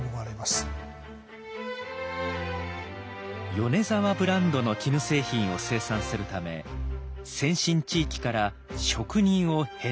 米沢ブランドの絹製品を生産するため先進地域から職人をヘッドハンティング。